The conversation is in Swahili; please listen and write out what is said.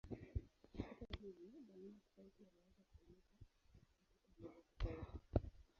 Hata hivyo, maneno tofauti yanaweza kutumika katika mila tofauti.